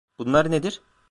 Bunlar nedir?